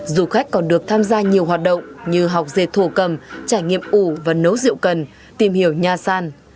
du khách còn được tham gia nhiều hoạt động như học dệt thổ cầm trải nghiệm ủ và nấu rượu cần tìm hiểu nha san